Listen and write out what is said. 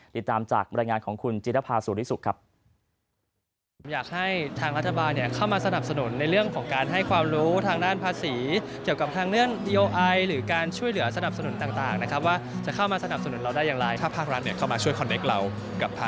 ติดตามจากบรรยายงานของคุณจิรภาสุริสุขครับ